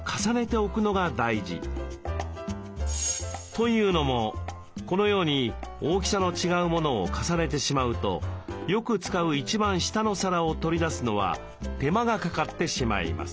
というのもこのように大きさの違うモノを重ねてしまうとよく使う一番下の皿を取り出すのは手間がかかってしまいます。